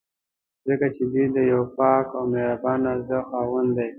ځکه چې دوی د یو پاک او مهربانه زړه خاوندان دي.